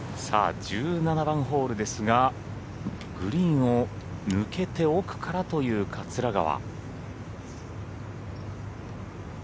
１７番ホールですがグリーンを抜けて奥からという桂川。